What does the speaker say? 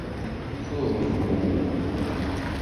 Шул минең белгәндәрем...